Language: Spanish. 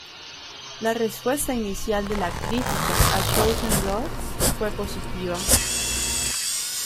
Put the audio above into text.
La respuesta inicial de la crítica a "Chosen Lords" fue positiva.